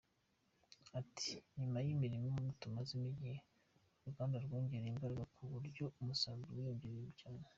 Ati “Nyuma y’imirimo tumazemo igihe, uruganda rwongereye imbaraga ku buryo umusaruro uziyongera cyane.